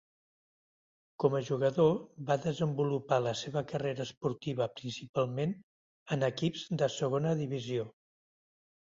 Com a jugador va desenvolupar la seva carrera esportiva principalment en equips de Segona Divisió.